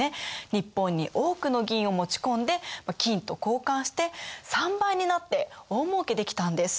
日本に多くの銀を持ち込んで金と交換して３倍になって大もうけできたんです。